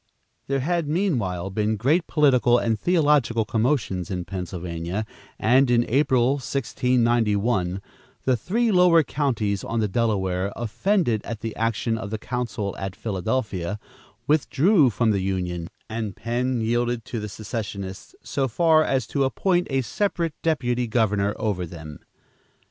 There had meanwhile been great political and theological commotions in Pennsylvania, and in April, 1691, the three lower counties on the Delaware, offended at the action of the council at Philadelphia, withdrew from the union, and Penn yielded to the secessionists so far as to appoint a separate deputy governor over them.